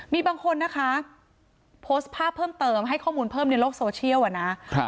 มีบางคนนะคะโพสต์ภาพเพิ่มเติมให้ข้อมูลเพิ่มในโลกโซเชียลอ่ะนะ